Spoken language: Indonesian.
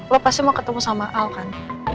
lo pasti mau ketemu sama al kan